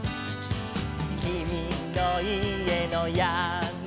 「きみのいえのやねや」